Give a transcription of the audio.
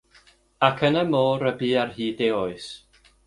Ac yn y môr y bu ar hyd ei oes.